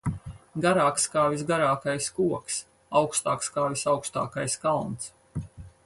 Garāks kā visgarākais koks, augstāks kā visaugstākais kalns.